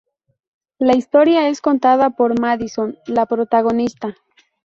La historia es contada por Madison, la protagonista.